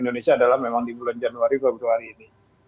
indonesia adalah memang di bulan januari februari ini